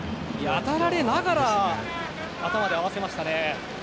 当たられながら頭で合わせた。